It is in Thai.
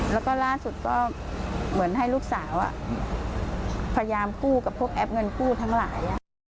แล้วก็ล่าสุดก็เหมือนให้ลูกสาวพยายามกู้กับพวกแอปเงินกู้ทั้งหลาย